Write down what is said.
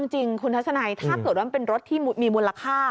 จริงคุณทัศนัยถ้าเกิดว่ามันเป็นรถที่มีมูลค่า